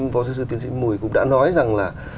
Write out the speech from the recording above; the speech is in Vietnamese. phó sư tiến sĩ mùi cũng đã nói rằng là